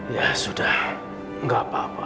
ya sudah nggak apa apa